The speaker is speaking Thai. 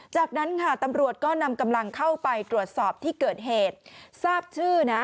จากนั้นตำรวจก็นำกำลังเข้าไปตรวจสอบที่เกิดเหตุ